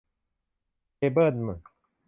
เคเบิล